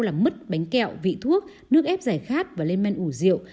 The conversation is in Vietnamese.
làm mứt bánh kẹo vị thuốc nước ép giải khát và lên men ủ rượu